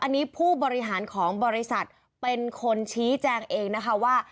อันนี้ผู้บริหารของบริษัทเป็นคนชี้แจงเองนะคะว่า